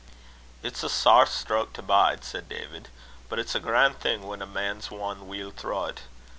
"It's a sair stroke to bide," said David; "but it's a gran' thing whan a man's won weel throw't.